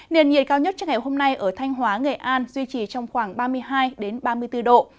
nền nhiệt cao nhất cho ngày hôm nay ở thanh hóa nghệ an duy trì trong khoảng ba mươi hai ba mươi bốn độ